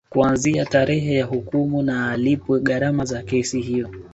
Kuanzia tarehe ya hukumu na alipwe gharama za kesi hiyo